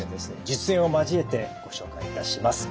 実演を交えてご紹介いたします。